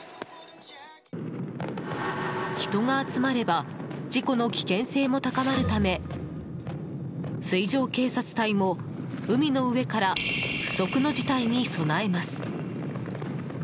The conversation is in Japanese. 人が集まれば事故の危険性も高まるため水上警察隊も海の上から不測の事態に備えます。